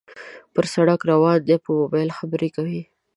پر سړک روان دى په موبایل خبرې کوي